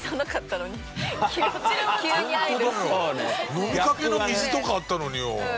飲みかけの水とかあったのによ。